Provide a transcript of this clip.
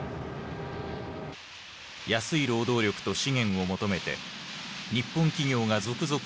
安い労働力と資源を求めて日本企業が続々工場を構えた。